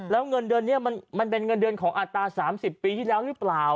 แล้วเงินเดือนนี้มันเป็นเงินเดือนของอัตรา๓๐ปีที่แล้วหรือเปล่า